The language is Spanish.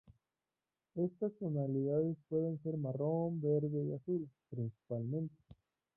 Estas tonalidades pueden ser marrón, verde y azul, principalmente.